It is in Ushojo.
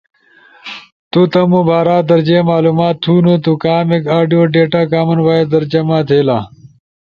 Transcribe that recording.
تو تمو بارا در جے معلومات تھونو، تو کامیک آڈیو ڈیتا کامن وائس در جمع تھئیلا،